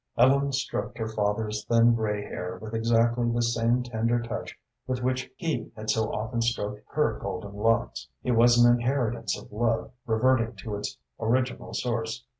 Ellen stroked her father's thin gray hair with exactly the same tender touch with which he had so often stroked her golden locks. It was an inheritance of love reverting to its original source.